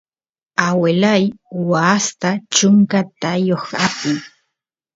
aguelay waasta chunka taayoq apin